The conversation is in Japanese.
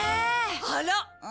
あら？